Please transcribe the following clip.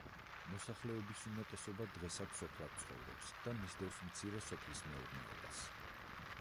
მოსახლეობის უმეტესობა დღესაც სოფლად ცხოვრობს და მისდევს მცირე სოფლის მეურნეობას.